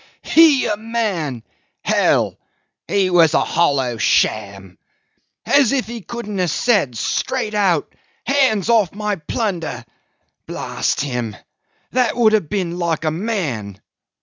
"He a man! Hell! He was a hollow sham. As if he couldn't have said straight out, 'Hands off my plunder!' blast him! That would have been like a man!